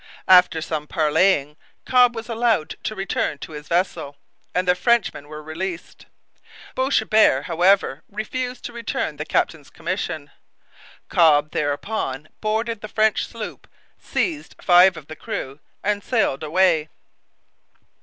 After some parleying Cobb was allowed to return to his vessel, and the Frenchmen were released. Boishebert, however, refused to return the captain's commission. Cobb thereupon boarded the French sloop, seized five of the crew, and sailed away.